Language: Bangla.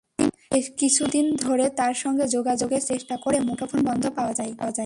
কিন্তু কিছুদিন ধরে তাঁর সঙ্গে যোগাযোগের চেষ্টা করেও মুঠোফোন বন্ধ পাওয়া যায়।